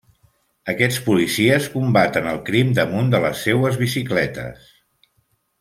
Aquests policies combaten el crim damunt de les seues bicicletes.